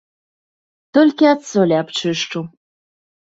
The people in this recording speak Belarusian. Толькі ад солі абчышчу.